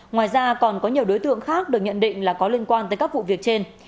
ngoài ra còn có nhiều đối tượng khác được nhận định là có liên quan tới các vụ việc trên